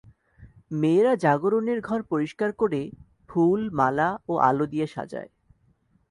মেয়েরা জাগরণের ঘর পরিষ্কার করে ফুল, মালা ও আলো দিয়ে সাজায়।